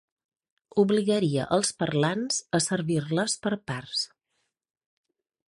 Obligaria els parlants a servir-les per parts.